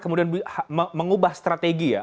kemudian mengubah strategi ya